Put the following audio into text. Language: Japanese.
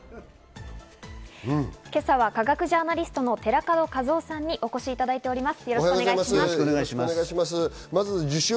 今朝は科学ジャーナリストの寺門和夫さんにお越しいただいております。